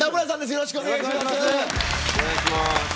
よろしくお願いします。